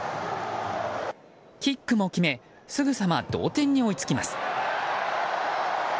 キックも決めすぐさま同点に追いつきます。